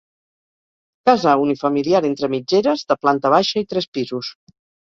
Casa unifamiliar entre mitgeres, de planta baixa i tres pisos.